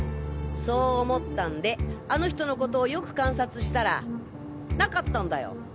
そう思ったんであの人のことをよく観察したら無かったんだよ。